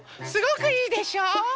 すごくいいでしょ？